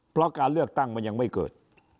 เพราะการเลือกตั้งมันยังไม่เกิด